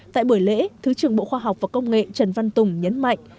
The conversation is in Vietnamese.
tại buổi lễ thứ trưởng bộ khoa học và công nghệ trần văn tùng nhấn mạnh